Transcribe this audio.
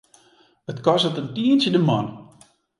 It kostet in tientsje de man.